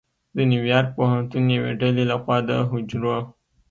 د نیویارک پوهنتون یوې ډلې لخوا د حجرو